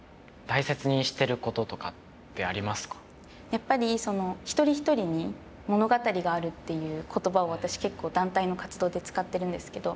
やっぱりその「一人一人に物語がある」っていう言葉を私結構団体の活動で使ってるんですけど。